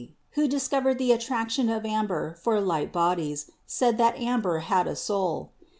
who discovered the attraction of amber for light bodies, said that amber had a soul.